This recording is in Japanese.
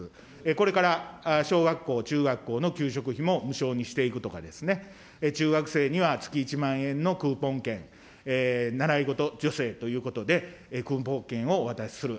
これから小学校、中学校の給食費も無償にしていくとかですね、中学生には月１万円のクーポン券、習い事助成ということで、クーポン券をお渡しする。